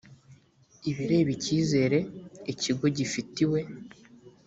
ibireba icyizere ikigo gifitiwe